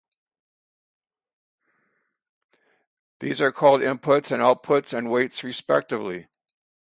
These are called "inputs", "outputs" and "weights" respectively.